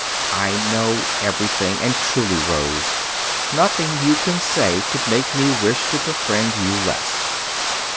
"I know everything; and truly, Rose, nothing you can say could make me wish to befriend you less."